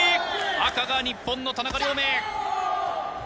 赤が日本の田中亮明。